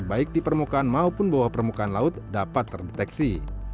baik di permukaan maupun bawah permukaan laut dapat terdeteksi